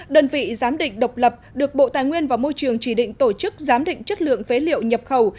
đơn vị giám định độc lập được bộ tài nguyên và môi trường chỉ định tổ chức giám định chất lượng phế liệu nhập khẩu